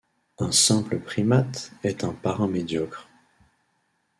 Un simple primat est un parrain médiocre.